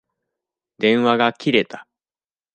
電話が切れた。